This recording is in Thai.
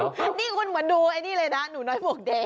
นี่คุณมาดูไอ้นี่เลยนะหนูน้อยบวกเด็ก